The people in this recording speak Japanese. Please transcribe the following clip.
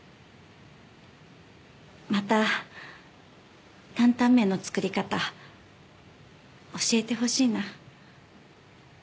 また担々麺の作り方教えてほしいな。